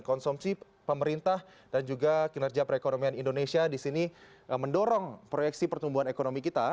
konsumsi pemerintah dan juga kinerja perekonomian indonesia di sini mendorong proyeksi pertumbuhan ekonomi kita